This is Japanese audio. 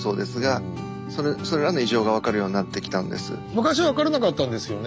昔は分からなかったんですよね？